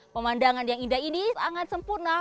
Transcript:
pemandangan yang indah ini sangat sempurna